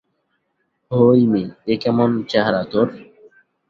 হৈমী, এ কেমন চেহারা তোর!